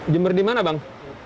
jemur di mana bang